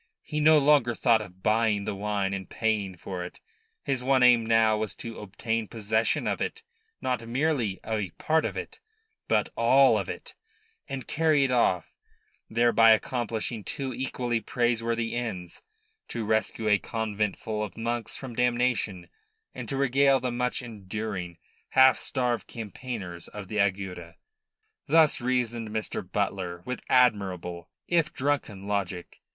He no longer thought of buying the wine and paying for it. His one aim now was to obtain possession of it not merely a part of it, but all of it and carry it off, thereby accomplishing two equally praiseworthy ends: to rescue a conventful of monks from damnation, and to regale the much enduring, half starved campaigners of the Agueda. Thus reasoned Mr. Butler with admirable, if drunken, logic.